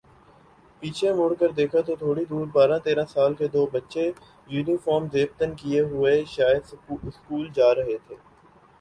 پیچھے مڑ کر دیکھا تو تھوڑی دوربارہ تیرہ سال کے دو بچے یونیفارم زیب تن کئے ہوئے شاید سکول جارہے تھے